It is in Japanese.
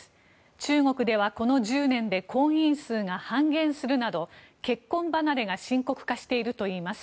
中国では、この１０年で婚姻数が半減するなど結婚離れが深刻化しているといいます。